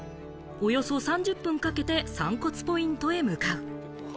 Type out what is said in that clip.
およそ３０分かけて散骨ポイントへ向かう。